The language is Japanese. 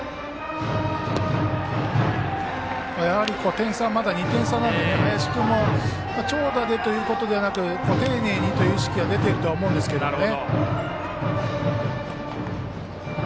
点差はまだ２点差なので林君も長打でということではなく丁寧にという意識が出ていると葉思うんですけどね。